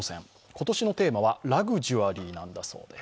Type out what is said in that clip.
今年のテーマはラグジュアリーなんだそうです。